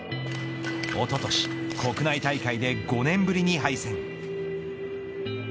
おととし、国内大会で５年ぶりに敗戦。